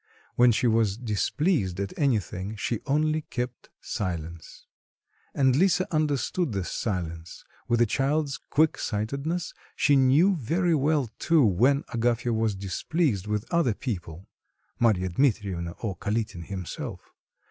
When she was displeased at anything, she only kept silence. And Lisa understood this silence; with a child's quick sightedness she knew very well, too, when Agafya was displeased with other people, Marya Dmitrievna, or Kalitin himself.